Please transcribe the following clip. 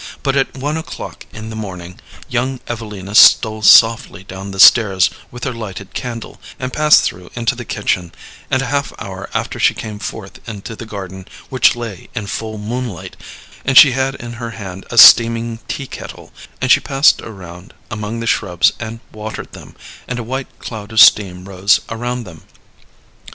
But at one o'clock in the morning young Evelina stole softly down the stairs with her lighted candle, and passed through into the kitchen; and a half hour after she came forth into the garden, which lay in full moonlight, and she had in her hand a steaming teakettle, and she passed around among the shrubs and watered them, and a white cloud of steam rose around them.